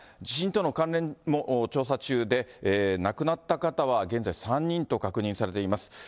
地震との関連も調査中で、亡くなった方は現在３人と確認されています。